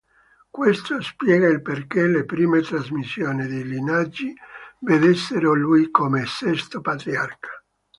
Questo spiega il perché le prime trasmissioni di lignaggi vedessero lui come Sesto Patriarca.